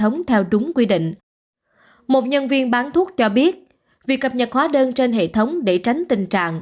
nhân viên bán thuốc cho biết việc cập nhật khóa đơn trên hệ thống để tránh tình trạng